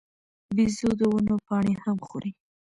بیزو د ونو پاڼې هم خوري.